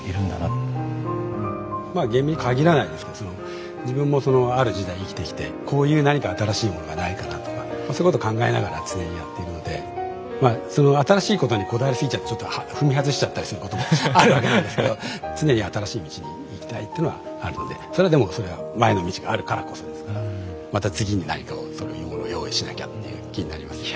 まあゲームに限らないですけど自分もそのある時代生きてきてこういう何か新しいものがないかなとかそういうこと考えながら常にやっているのでまあその新しいことにこだわりすぎちゃうとちょっと踏み外しちゃったりすることもあるわけなんですけど常に新しい道に行きたいっていうのはあるのでそれはでもそれは前の道があるからこそですからまた次に何かをそういうものを用意しなきゃっていう気になりますね。